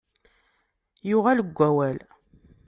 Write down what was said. Yuɣal deg wawal.